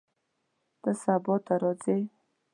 ته سبا راځې؟